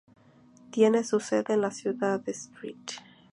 Tiene su sede en la ciudad de St.